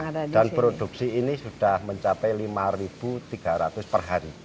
dan produksi ini sudah mencapai lima tiga ratus per hari